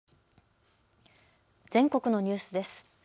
全国のニュースです。